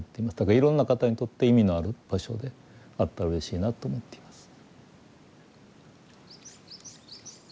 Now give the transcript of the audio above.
いろんな方にとって意味のある場所であったらうれしいなと思っています。